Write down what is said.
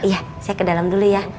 iya saya ke dalam dulu ya